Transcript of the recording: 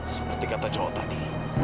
seperti kata cowok tadi